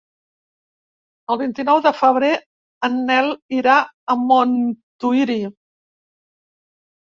El vint-i-nou de febrer en Nel irà a Montuïri.